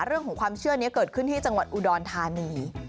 เรื่องของความเชื่อนี้เกิดขึ้นที่จังหวัดอุดรธานี